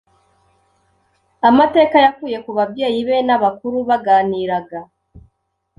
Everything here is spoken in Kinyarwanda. amateka yakuye ku babyeyi be n’abakuru baganiraga,